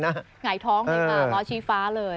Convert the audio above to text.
หงายท้องเลยค่ะล้อชี้ฟ้าเลย